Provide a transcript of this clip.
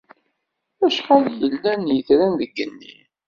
Acḥal yellan n yitran deg igenni?